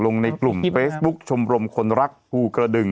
ลงในกลุ่มเฟซบุ๊คชมรมคนรักภูกระดึง